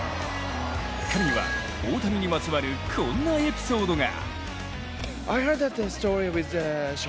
彼には、大谷にまつわるこんなエピソードが。